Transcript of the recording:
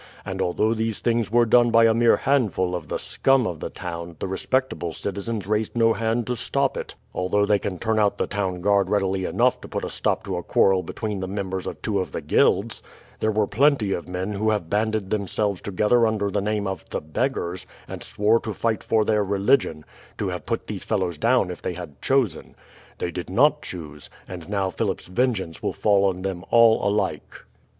And although these things were done by a mere handful of the scum of the town the respectable citizens raised no hand to stop it, although they can turn out the town guard readily enough to put a stop to a quarrel between the members of two of the guilds. There were plenty of men who have banded themselves together under the name of 'the beggars,' and swore to fight for their religion, to have put these fellows down if they had chosen. They did not choose, and now Philip's vengeance will fall on them all alike."